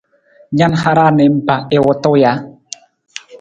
Na na hara niimpa i wutu ja?